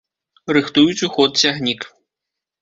Рыхтуюць у ход цягнік.